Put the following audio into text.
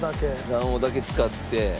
卵黄だけ使って。